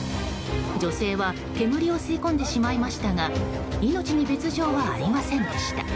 女性は煙を吸い込んでしまいましたが命に別状はありませんでした。